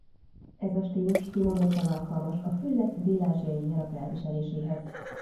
Ez a stílus kimondottan alkalmas a fülledt dél-ázsiai nyarak elviseléséhez.